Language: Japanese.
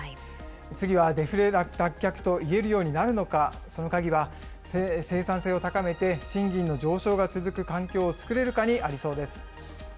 次はデフレ脱却といえるようになるのか、その鍵は生産性を高めて賃金の上昇が続く環境を作れるかにありそうです。